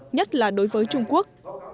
nhất là đối với trung quốc